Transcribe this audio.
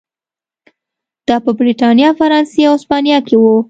دا په برېټانیا، فرانسې او هسپانیا کې و.